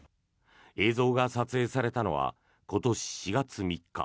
映像が撮影されたのは今年４月３日。